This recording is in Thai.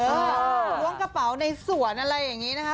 ล้วงกระเป๋าในสวนอะไรอย่างนี้นะคะ